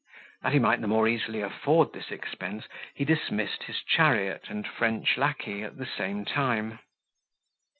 That he might the more easily afford this expense, he dismissed his chariot and French lacquey at the same time.